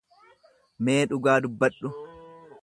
Mee dhugaa dubbadhu.